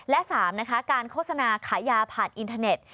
และ๓นะคะการโฆษณาขายยาผ่านอินเทอร์เน็ต